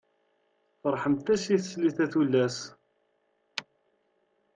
Ferḥemt-as i teslit, a tullas!